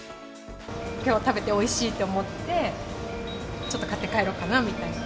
きょう食べておいしいと思って、ちょっと買って帰ろうかなみたいな。